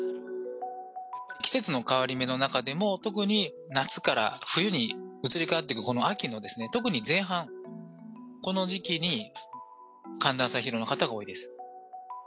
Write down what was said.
季節の変わり目の中でも、特に夏から冬に移り変わっていくこの秋のですね、特に前半、この時期に寒暖差疲労の方が多いです。